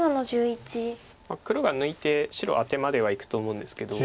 黒が抜いて白アテまではいくと思うんですけど。